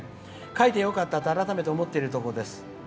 書いてよかったと思っているところです。